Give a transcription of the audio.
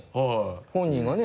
本人がね